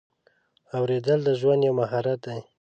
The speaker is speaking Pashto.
اورېدل د ژوند یو مهارت دی.